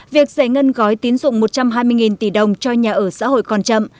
việc giải ngân gói tín dụng một trăm hai mươi tỷ đồng cho nhà ở xã hội còn chậm